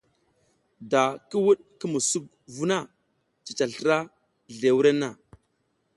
Da ki wuɗ ki musuk vu na, cica slra zle wurenna.